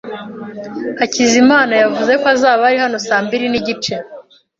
Hakizimana yavuze ko azaba ari hano saa mbiri nigice.